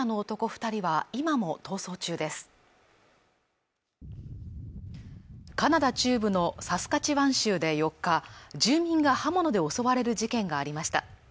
二人は今も逃走中ですカナダ中部のサスカチワン州で４日住民が刃物で襲われる事件がありました